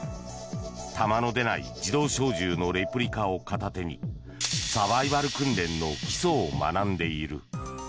弾の出ない自動小銃のレプリカを片手にサバイバル訓練の基礎を学んでいる。